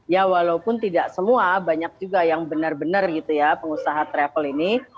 ya walaupun tidak semua banyak juga yang benar benar gitu ya pengusaha travel ini